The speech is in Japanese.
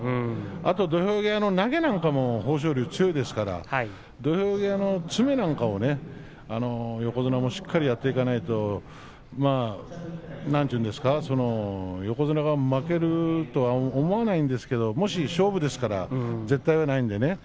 あとは土俵際の投げなんかも豊昇龍、強いですから土俵際の詰めなんかもね横綱もしっかりとやっていかないと横綱が負けるとは思わないんですが勝負ですからね絶対はないんでね。